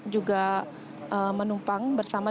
juga menumpang bersama